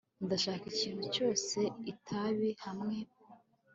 ndashaka ikintu cyoza itapi hamwe